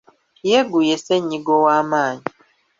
Yegu ye ssennyiga ow'amaanyi.